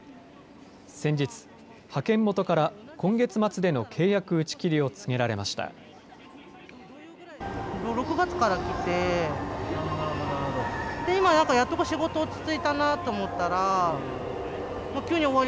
先日、派遣元から今月末での契約打ち切りを告げられました。